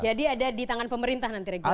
jadi ada di tangan pemerintah nanti regulasinya